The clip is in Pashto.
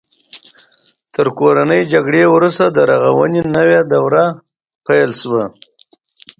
تر کورنۍ جګړې وروسته د رغونې نوې دوره پیل شوه.